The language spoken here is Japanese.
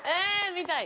見たい。